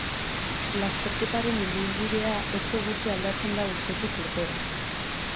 Lasterketaren ibilbidea oso gutxi aldatzen da urtetik urtera.